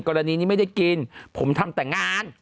กรณีนี้ไม่ได้กินผมทำแต่งาน